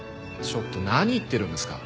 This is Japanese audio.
ちょっと何言ってるんですか。